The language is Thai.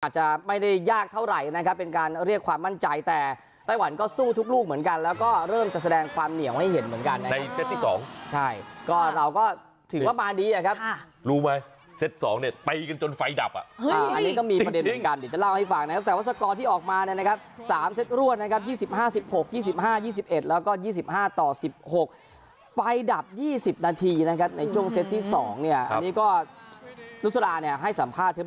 อาจจะไม่ได้ยากเท่าไหร่นะครับเป็นการเรียกความมั่นใจแต่ไต้หวันก็สู้ทุกลูกเหมือนกันแล้วก็เริ่มจะแสดงความเหนียวให้เห็นเหมือนกันในเซตที่สองใช่ก็เราก็ถือว่ามาดีนะครับรู้ไหมเซตสองเนี่ยไปกันจนไฟดับอ่ะเฮ้ยอันนี้ก็มีประเด็นเหมือนกันเดี๋ยวจะเล่าให้ฟังนะครับแต่ว่าสกรที่ออกมาเนี่ยนะครับสามเ